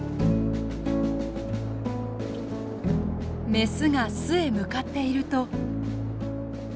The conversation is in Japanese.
雌が巣へ向かっていると。